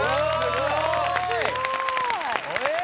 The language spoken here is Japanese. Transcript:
すごい！